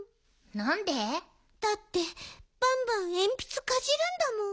なんで？だってバンバンえんぴつかじるんだもん。